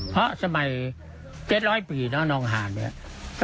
เพราะสมัยเจ็ดร้อยปีเนอะน้องหากในค่ะ